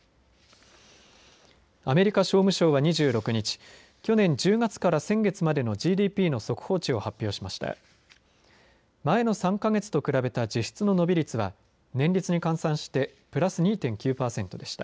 アメリカ商務省は２６日去年１０月から先月までのＧＤＰの速報値を発表しました。